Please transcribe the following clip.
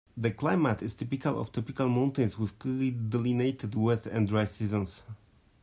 The climate is typical of tropical mountains with clearly delineated wet and dry seasons.